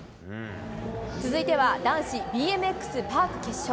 続いては男子ＢＭＸパーク決勝。